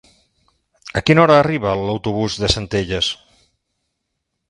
A quina hora arriba l'autobús de Centelles?